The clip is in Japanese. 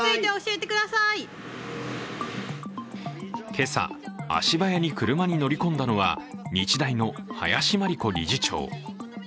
今朝、足早に車に乗り込んだのは日大の林真理子理事長。